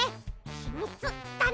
ひみつだね！